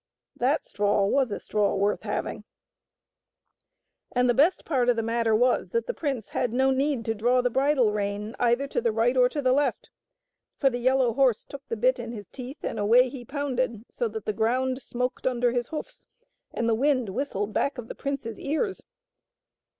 That straw was a straw worth having I And the best part of the matter was that the prince had no need to draw the bridle rein either to the right or to the left ; for the yellow horse took the bit in his teeth and away he pounded so that the ground smoked under his hoofs, and the wind whistled back of the prince's ears.